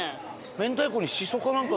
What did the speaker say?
明太子にシソかなんか。